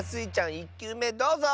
１きゅうめどうぞ！